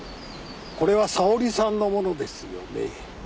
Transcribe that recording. これは沙織さんの物ですよね？